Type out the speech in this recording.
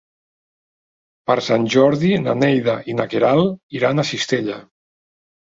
Per Sant Jordi na Neida i na Queralt iran a Cistella.